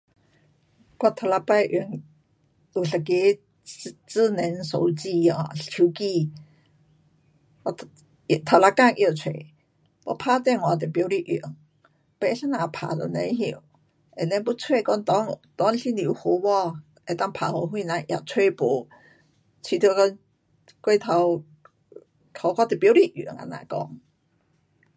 我头一次用，有一个智，智能手机 um 手机，我 um 头一天拿出，我打电话都不晓得用，要怎样打都甭晓，and then 要找讲内，内是不有号码，能够打给谁人也找没，觉得讲过头，给我都不会用，这样讲。